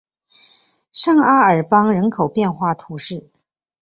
圣阿尔邦人口变化图示